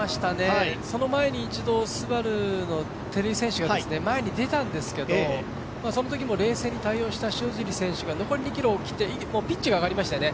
その前に一度、ＳＵＢＡＲＵの照井選手が前に出たんですけど、そのときも冷静に対応した塩尻選手が残り２ｋｍを切ってピッチが上がりましたよね。